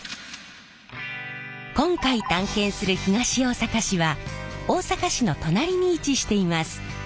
今回探検する東大阪市は大阪市の隣に位置しています。